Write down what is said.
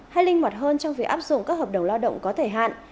hay linh hoạt hơn trong việc áp dụng các hợp đồng lao động có thời hạn